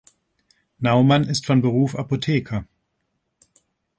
Naumann ist von Beruf Apotheker.